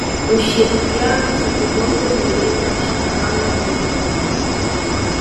ushirikiano siku zote huleta mshikamano na nguvu moja